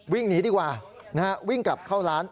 วิ่งหนีดีกว่าวิ่งกลับเข้าร้าน